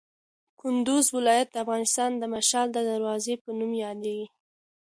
کندوز ولایت د افغانستان د شمال د دروازې په نوم یادیږي.